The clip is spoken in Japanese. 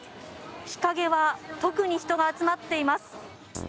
日陰は特に人が集まっています。